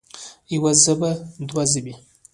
يوه ژبه او دوه ژبې